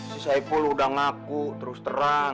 si saiful udah ngaku terus terang